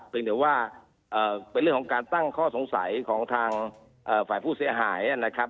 เป็นแต่ว่าเป็นเรื่องของการตั้งข้อสงสัยของทางฝ่ายผู้เสียหายนะครับ